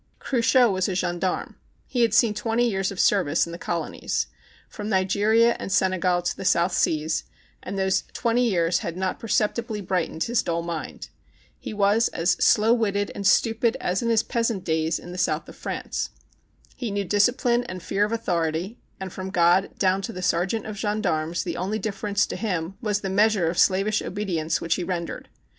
Cruchot was a gendarme. He had seen twenty years of service in the colonies, from Nigeria and Senegal to the South Seas, and those tv/enty years had not perceptibly bright ened his dull mind. He was as slow witted and stupid as in his peasant days in the south of THE CHINAGO 169 France. He knew discipline and fear of au thority, and from God down to the sergeant of gendarmes the only difference to him was the measure of slavish obedience which he rendered.